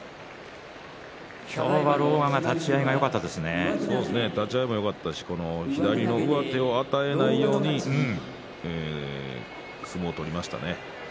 今日は狼雅が立ち合いが立ち合いもよかったですし左の上手を与えないように相撲を取りましたね。